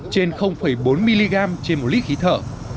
trên bốn mg trên một lít khí thở